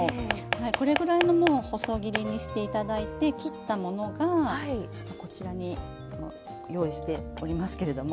これぐらいのもう細切りにしていただいて切ったものがこちらに用意しておりますけれども。